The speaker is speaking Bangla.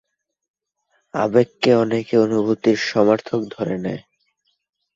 আবেগকে অনেকে অনুভূতির সমার্থক ধরে নেয়।